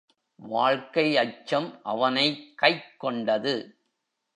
வாழ்க்கை அச்சம் அவனைக் கைக் கொண்டது.